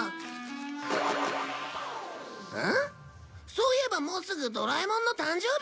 そういえばもうすぐドラえもんの誕生日じゃん？